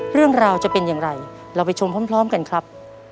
เรื่องราวจะเป็นอย่างไรเราไปชมพร้อมกันครับ